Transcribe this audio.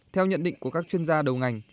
theo nhận định của các chuyên gia đầu ngành